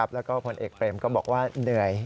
แล้วก็ผลเอกเปรมก็บอกว่าเหนื่อย